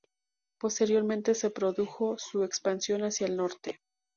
Posteriormente, se produjo su expansión hacia el norte.